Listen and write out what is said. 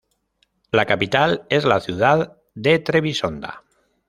La capital es la ciudad de Trebisonda.